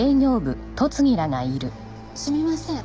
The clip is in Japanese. すみません。